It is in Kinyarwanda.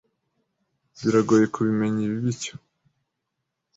Biragoye kubimenya ibiba icyo